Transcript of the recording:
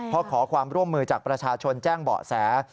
เพราะขอความร่วมมือจากประชาชนแจ้งเบาะแส